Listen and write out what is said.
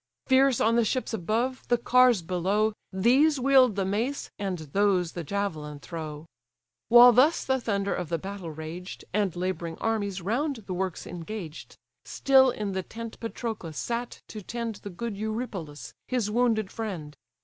Fierce on the ships above, the cars below, These wield the mace, and those the javelin throw. While thus the thunder of the battle raged, And labouring armies round the works engaged, Still in the tent Patroclus sat to tend The good Eurypylus, his wounded friend.